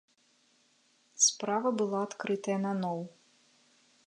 Справа была адкрытая наноў.